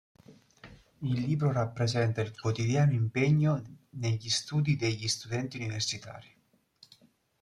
Il libro rappresenta il quotidiano impegno negli studi degli studenti universitari.